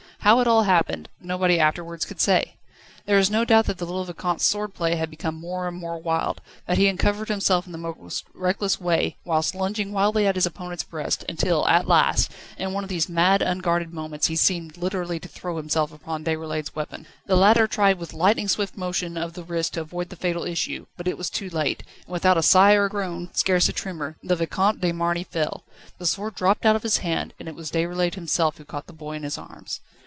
How it all happened, nobody afterwards could say. There is no doubt that the little Vicomte's sword play had become more and more wild: that he uncovered himself in the most reckless way, whilst lunging wildly at his opponent's breast, until at last, in one of these mad, unguarded moments, he seemed literally to throw himself upon Déroulède's weapon. The latter tried with lightning swift motion of the wrist to avoid the fatal issue, but it was too late, and without a sigh or groan, scarce a tremor, the Vicomte de Marny fell. The sword dropped out of his hand, and it was Déroulède himself who caught the boy in his arms.